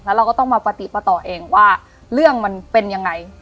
เราก็ต้องมาปฏิปต่อเองว่าเรื่องมันเป็นยังไง